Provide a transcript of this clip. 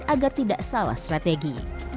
agar tidak salah strategi